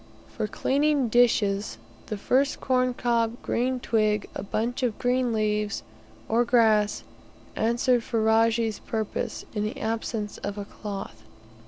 For cleaning dishes, the first corn cob, green twig, a bunch of leaves or grass, answered Ferajji's purposes in the absence of a cloth.